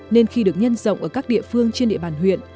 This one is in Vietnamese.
nên khi được nhân rộng ở các địa phương trên địa bàn huyện